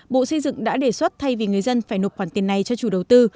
bộ xây dựng đã đề xuất thay vì người dân phải nộp khoản tiền này cho chủ đầu tư